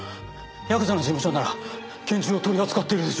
ヤクザの事務所なら拳銃を取り扱ってるでしょ？